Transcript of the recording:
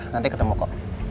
nanti ketemu kok